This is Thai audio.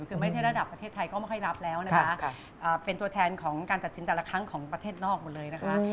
คือไม่ใช่ระดับประเทศไทยก็ไม่ค่อยรับแล้วนะคะเป็นตัวแทนของการตัดสินแต่ละครั้งของประเทศนอกหมดเลยนะคะ